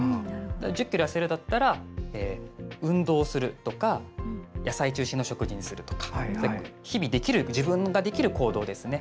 １０ｋｇやせたいだったら運動をするとか野菜中心の食事にするとか日々、自分ができる行動ですね。